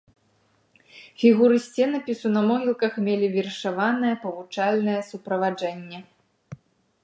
Фігуры сценапісу на могілках мелі вершаванае павучальнае суправаджэнне.